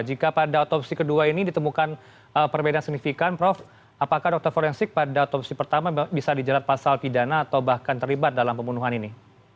jika pada otopsi kedua ini ditemukan perbedaan signifikan prof apakah dokter forensik pada otopsi pertama bisa dijerat pasal pidana atau bahkan terlibat dalam pembunuhan ini